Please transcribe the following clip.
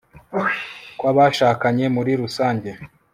kwa bashakanye muri rusange